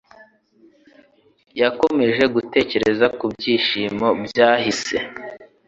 Yakomeje gutekereza kubyishimo byahise.